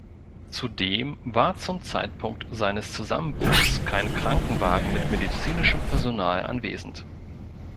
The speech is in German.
Zudem war zum Zeitpunkt seines Zusammenbruchs kein Krankenwagen mit medizinischem Personal anwesend.